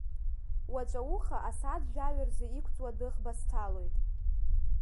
Уаҵәауха асааҭ жәаҩа рзы иқәҵуа адәыӷба сҭалоит.